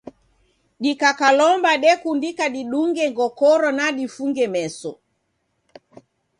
Dikakalomba ekundika didunge ngokoro na difunge meso.